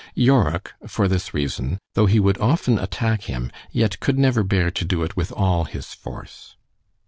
Yorick, for this reason, though he would often attack him—yet could never bear to do it with all his force.